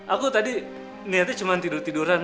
aku tadi niatnya cuma tidur tiduran